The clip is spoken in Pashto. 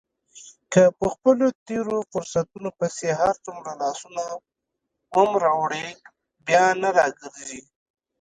که په خپلو تېرو فرصتونو پسې هرڅومره لاسونه ومروړې بیا نه را ګرځي.